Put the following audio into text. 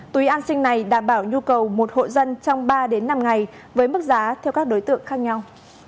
túi an sinh này đảm bảo nhu cầu một hộ dân trong ba năm ngày với mức giá theo các đối tượng khác nhau